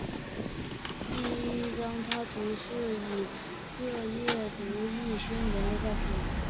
第一张插图是以色列独立宣言的照片。